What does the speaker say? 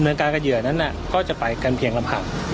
เริ่มเนินการกับเหยื่อนั้นก็จะไปกันเพียงลำหัก